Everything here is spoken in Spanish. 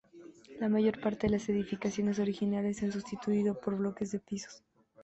La mayor parte de las edificaciones originales se han sustituido por bloques de pisos.